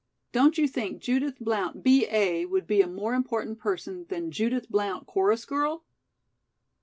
Don't you think Judith Blount, B. A., would be a more important person than Judith Blount, Chorus Girl?"